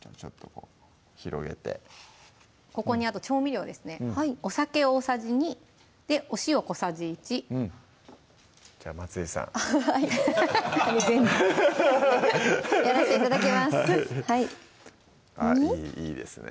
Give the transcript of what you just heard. じゃあちょっとこう広げてここにあと調味料ですねお酒大さじ２でお塩小さじ１じゃあ松井さんはいやらせて頂きますはい２？いいですね